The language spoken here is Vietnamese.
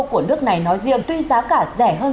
của nước này nói riêng tuy giá cả rẻ hơn